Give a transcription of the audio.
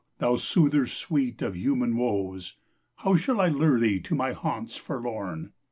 thou foothcr fweet of human woes ! How IhaH I lure thee to my haunts forlorn